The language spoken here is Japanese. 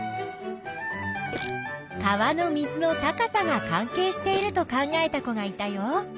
川の水の高さが関係していると考えた子がいたよ。